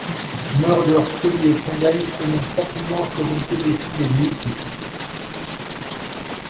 Mulder, Scully et Trondheim commencent rapidement à présenter des signes de vieillissement.